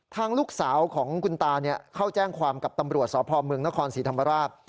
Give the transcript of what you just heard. ทางลูกสาวของคุณตาเข้าแจ้งความกับตำรวจสพเมืองนครศรีธรรมราช